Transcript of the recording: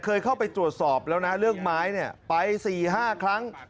เคยเข้าไปตรวจสอบแล้วนะเรื่องไม้เนี่ยไป๔๕ครั้ง